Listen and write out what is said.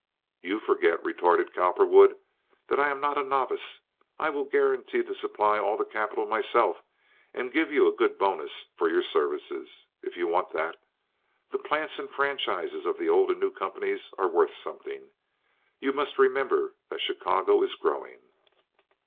"You forget," retorted Cowperwood, "that I am not a novice. I will guarantee to supply all the capital myself, and give you a good bonus for your services, if you want that. The plants and franchises of the old and new companies are worth something. You must remember that Chicago is growing."